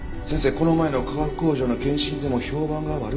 この前の化学工場の検診でも評判が悪くて。